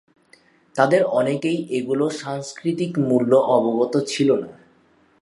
তাঁদের অনেকেই এগুলির সাংস্কৃতিক মূল্য অবগত ছিলেন না।